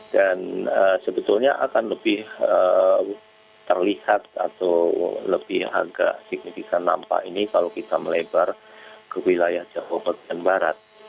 dan sebetulnya akan lebih terlihat atau lebih agak signifikan nampak ini kalau kita melebar ke wilayah jawa perjalanan barat